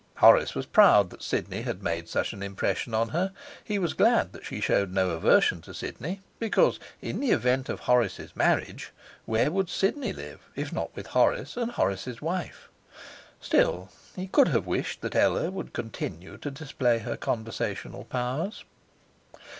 Horace was proud that Sidney had made such an impression on her; he was glad that she showed no aversion to Sidney, because, in the event of Horace's marriage, where would Sidney live, if not with Horace and Horace's wife? Still, he could have wished that Ella would continue to display her conversational powers.